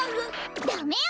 ダメよ！